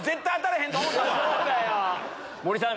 森さん